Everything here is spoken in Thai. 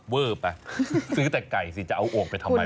เวอร์ไปซื้อแต่ไก่สิจะเอาโอ่งไปทำไม